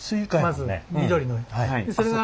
まず緑の色。